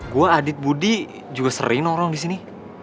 gue adit budi juga sering norong disini